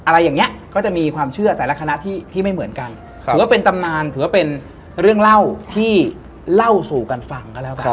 ละครที่คลิงหาดอันหนึ่ง